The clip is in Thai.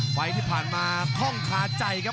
ไข่ใช่ปันมาคล่องคาใจครับ